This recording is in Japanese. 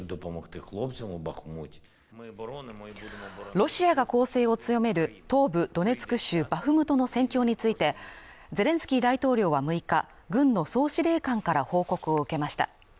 ロシアが攻勢を強める東部ドネツク州バフムトの戦況について、ゼレンスキー大統領は６日、軍の総司令官から報告を受けました。